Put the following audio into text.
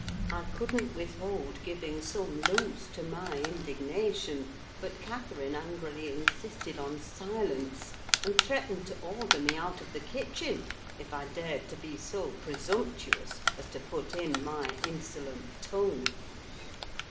I couldn't withhold giving some loose to my indignation; but Catherine angrily insisted on silence, and threatened to order me out of the kitchen, if I dared to be so presumptuous as to put in my insolent tongue.